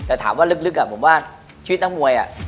แต่ถามว่าลึกผมว่าชีวิตนักมวย